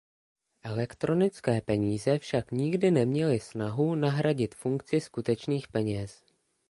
Elektronické peníze však nikdy neměly snahu nahradit funkci skutečných peněz.